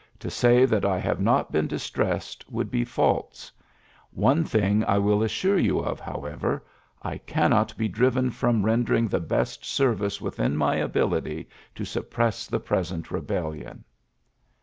• To say that I have not been distress ... would be false. ... One thing I w assure you of, however: I cannot driven from rendering the best servi within my ability to suppress the pw ent rebellion.''